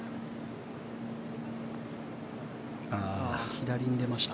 左に出ました。